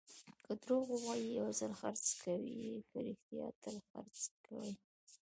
که دروغ ووایې، یو ځل خرڅ کوې؛ که رښتیا، تل خرڅ کوې.